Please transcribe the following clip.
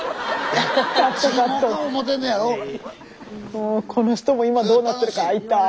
もうこの人も今どうなってるか会いたい！